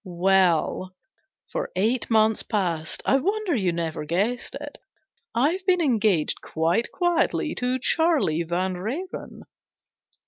Well, for eight months past I wonder you never guessed it I've been engaged quite quietly to Charlie Vanrenen.